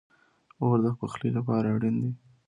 اور د پخلی لپاره اړین دی